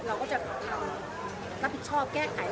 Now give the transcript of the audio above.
เราก็จะทำรับผิดชอบแก้ไข